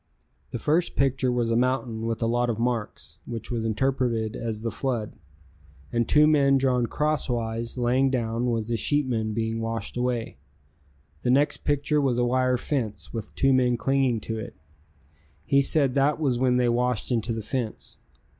The first picture was a mountain with a lot of marks, which was interpreted as the flood, and two men drawn crosswise laying down was the sheepmen being washed away. The next picture was a wire fence with two men clinging to it. He said that was when they washed into the fence.